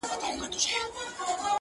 • چي په لاره کي څو ځلي سوله ورکه,